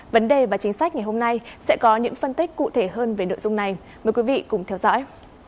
vấn đề và chính sách ngày hôm nay sẽ có những phân tích cụ thể hơn về nội dung này mời quý vị cùng theo dõi